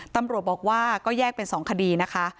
ตำรวจบอกว่าก็แยกเป็น๒คดีนะคะ